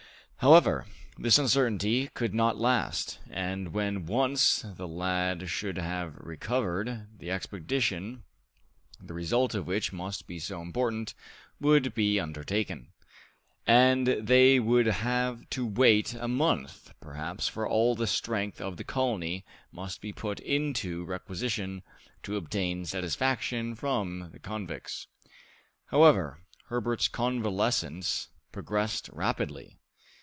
However, this uncertainty could not last, and when once the lad should have recovered, the expedition, the result of which must be so important, would be undertaken. But they would have to wait a month, perhaps, for all the strength of the colony must be put into requisition to obtain satisfaction from the convicts. However, Herbert's convalescence progressed rapidly.